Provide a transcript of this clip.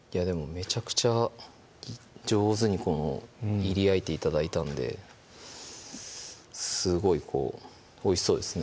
めちゃくちゃ上手にこのいり焼いて頂いたんですごいおいしそうですね